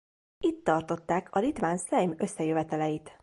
Itt tartották a litván szejm összejöveteleit.